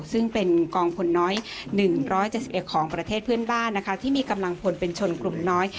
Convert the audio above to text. ซึ่งเป็นกองพลน้อย๑๗๑ของประเทศเพื่อนบ้านนะคะที่มีกำลังพลเป็นชนกลุ่มน้อย